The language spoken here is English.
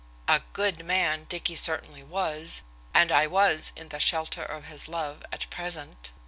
A "good man" Dicky certainly was, and I was in the "shelter of his love" at present.